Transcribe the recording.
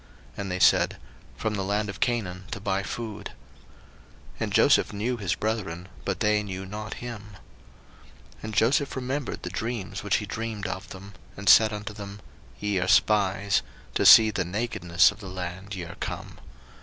And they said, From the land of Canaan to buy food. 01:042:008 And Joseph knew his brethren, but they knew not him. 01:042:009 And Joseph remembered the dreams which he dreamed of them, and said unto them, Ye are spies; to see the nakedness of the land ye are come.